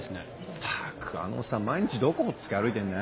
ったくあのおっさん毎日どこほっつき歩いてんだよ。